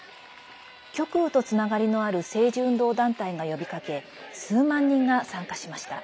極右とつながりのある政治運動団体が呼びかけ数万人が参加しました。